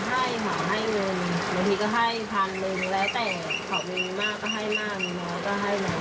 ให้เขาให้เงินบางทีก็ให้พันหนึ่งแล้วแต่เขามีมากก็ให้มากมีน้อยก็ให้มา